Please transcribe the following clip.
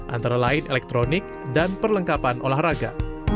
antara lain elektronik dan perlengkapan olahraga